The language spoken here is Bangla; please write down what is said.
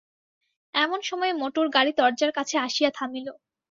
এমন সময়ে মোটর গাড়ি দরজার কাছে আসিয়া থামিল।